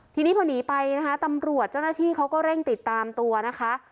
ทีนี้พอหนีไปนะคะตำรวจเจ้าหน้าที่เขาก็เร่งติดตามตัวนะคะ